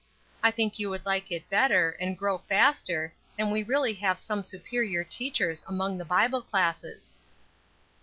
I think you would like it better, and grow faster, and we really have some superior teachers among the Bible classes."